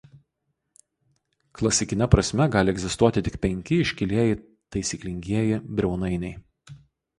Klasikine prasme gali egzistuoti tik penki iškilieji taisyklingieji briaunainiai.